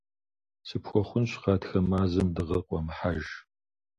Сыпхуэхъунущ гъатхэ мазэм дыгъэ къуэмыхьэж.